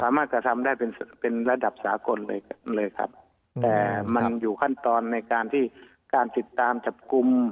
กระทำได้เป็นเป็นระดับสากลเลยครับแต่มันอยู่ขั้นตอนในการที่การติดตามจับกลุ่ม